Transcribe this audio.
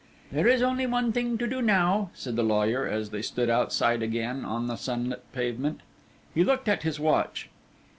"There is only one thing to do now," said the lawyer as they stood outside again on the sunlit pavement. He looked at his watch.